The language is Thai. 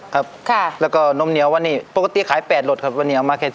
ครับค่ะแล้วก็นมเหนียววันนี้ปกติขาย๘รสครับวันนี้เอามาแค่